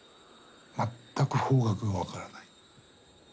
全く方角が分からない。